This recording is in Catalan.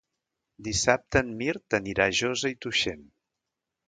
Dissabte en Mirt anirà a Josa i Tuixén.